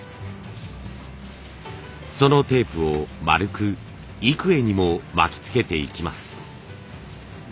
そのテープを丸く幾重にも巻きつけていきます。